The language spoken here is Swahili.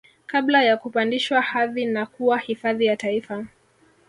Kabla ya kupandishwa hadhi na kuwa hifadhi ya taifa